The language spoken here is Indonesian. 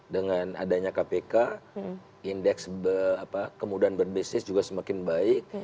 dengan adanya kpk indeks kemudahan berbisnis juga semakin baik